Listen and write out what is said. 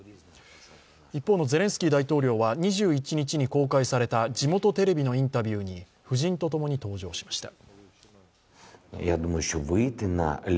一方のゼレンスキー大統領は２１日に公開された地元テレビのインタビューに、夫人と共に登場しました。